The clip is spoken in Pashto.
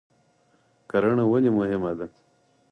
کرهڼه ولې مهمه ده؟